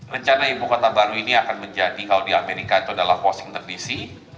rencana ibu kota baru ini akan menjadi kalau di amerika itu adalah washington dc